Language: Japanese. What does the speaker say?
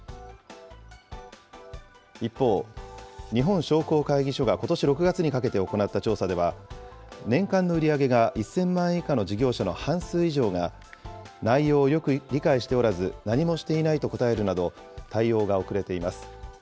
一方、日本商工会議所がことし６月にかけて行った調査では、年間の売り上げが１０００万円以下の事業者の半数以上が内容をよく理解しておらず、何もしていないと答えるなど、対応が遅れています。